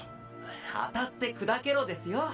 当たって砕けろですよ。